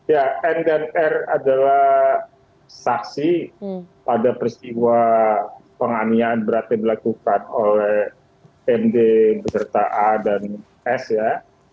ya n dan r adalah saksi pada peristiwa penganiakan berarti dilakukan oleh md berta a dan s ya